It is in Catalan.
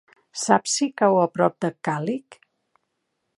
Saps si cau a prop de Càlig?